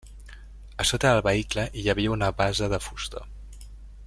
A sota del vehicle hi havia una base de fusta.